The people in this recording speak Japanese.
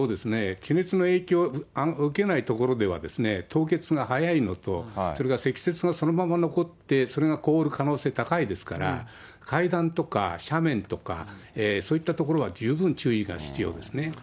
地熱の影響を受けない所は凍結が早いのと、それが積雪がそのまま残って、それが凍る可能性高いですから、階段とか斜面とか、そういった所は十分注意が必要ですね。